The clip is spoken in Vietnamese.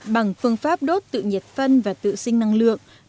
bằng phương pháp đốt tự nhiệt phân và tự sinh năng lượng